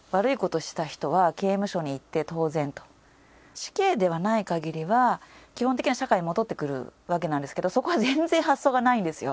死刑ではない限りは基本的には社会に戻ってくるわけなんですけどそこは全然発想がないんですよ。